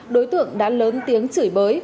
đối tượng đã lớn tiếng chửi bới